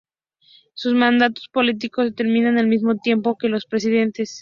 Sus mandatos políticos terminan al mismo tiempo que los del Presidente.